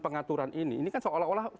pengaturan ini ini kan seolah olah